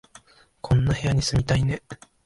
こんな部屋に住みたいね